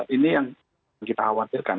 ini yang kita khawatirkan